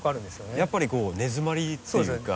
やっぱりこう根詰まりっていうか。